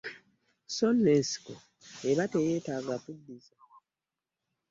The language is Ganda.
So nno ensiko eba teyetaaga kuddiza .